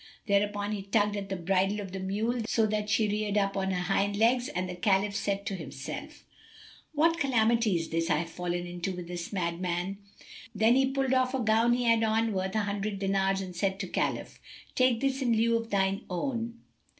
Thereupon he tugged at the bridle of the mule so that she reared up on her hind legs and the Caliph said to himself, "What calamity is this I have fallen into with this madman?" Then he pulled off a gown he had on, worth an hundred dinars, and said to Khalif, "Take this gown in lieu of thine own."